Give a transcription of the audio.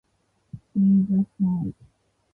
He's a snake.